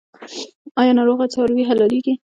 آیا ناروغه څاروي حلاليږي؟